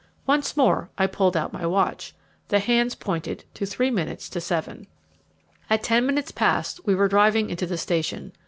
Once more I pulled out my watch; the hands pointed to three minutes to seven. At ten minutes past we were driving into the station.